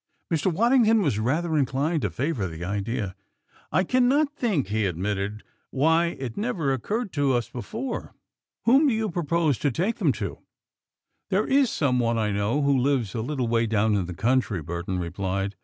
Mr. Waddington was rather inclined to favor the idea. "I cannot think," he admitted, "why it never occurred to us before. Whom do you propose to take them to?" "There is some one I know who lives a little way down in the country," Burton replied.